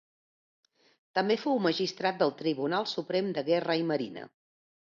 També fou Magistrat del Tribunal Suprem de Guerra i Marina.